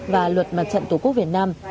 và luật mặt trận tổ quốc việt nam